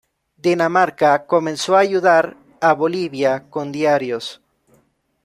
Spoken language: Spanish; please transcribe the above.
Dinamarca comenzó a ayudar a Bolivia con diarios.